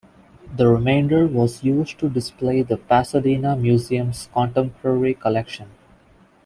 The remainder was used to display the Pasadena museum's contemporary collection.